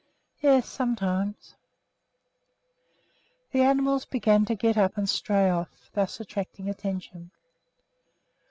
"Yes, sometimes." The animals began to get up and stray off, thus attracting attention.